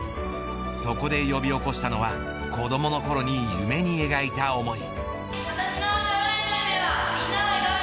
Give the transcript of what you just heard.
そこで呼び起こしたのは子どものころに夢に描いた思い。